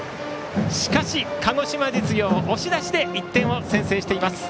しかし、鹿児島実業押し出しで１点を先制しています。